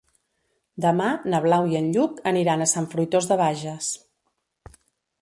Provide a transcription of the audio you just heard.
Demà na Blau i en Lluc aniran a Sant Fruitós de Bages.